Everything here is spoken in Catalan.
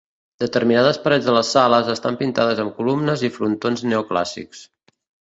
Determinades parets de les sales estan pintades amb columnes i frontons neoclàssics.